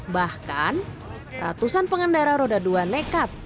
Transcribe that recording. bahkan ratusan pengendara roda dua nekat